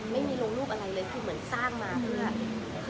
ไม่มีลงรูปอะไรเลยคือเหมือนสร้างมาเพื่อ